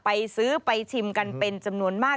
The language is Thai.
ไปซื้อไปชิมกันเป็นจำนวนมาก